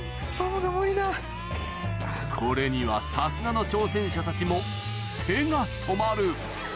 これにはさすがの挑戦者たちも手が止まる